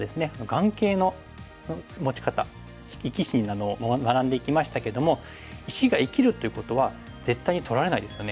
眼形の持ち方生き死になどを学んでいきましたけども石が生きるということは絶対に取られないですよね。